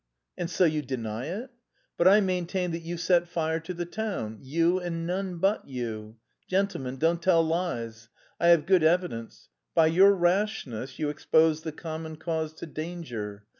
"And so you deny it? But I maintain that you set fire to the town, you and none but you. Gentlemen, don't tell lies! I have good evidence. By your rashness you exposed the common cause to danger.